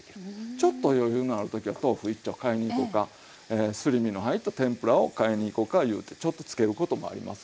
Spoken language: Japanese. ちょっと余裕のある時は豆腐一丁買いにいこかすり身の入った天ぷらを買いにいこかいうてちょっとつけることもありますわ。